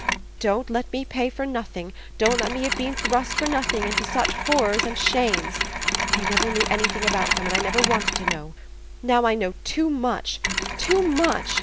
Don't let me pay for nothing; don't let me have been thrust for nothing into such horrors and such shames. I never knew anything about them and I never wanted to know! Now I know too much, too much!"